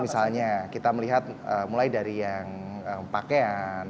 misalnya kita melihat mulai dari yang pakaian